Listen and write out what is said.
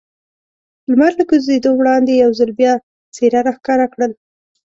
لمر له کوزېدو وړاندې یو ځل بیا څېره را ښکاره کړل.